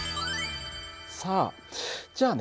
さあじゃあね